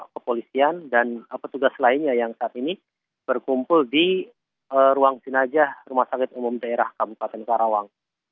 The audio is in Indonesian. kepolisian dan petugas lainnya yang saat ini berkumpul di ruang sinaja rsud karawang